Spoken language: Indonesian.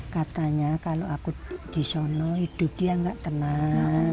katanya kalau aku di sono hidup dia gak tenang